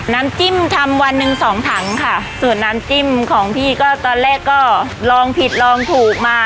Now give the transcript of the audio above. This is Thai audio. น้ำจิ้มทำวันหนึ่งสองถังค่ะส่วนน้ำจิ้มของพี่ก็ตอนแรกก็ลองผิดลองถูกมา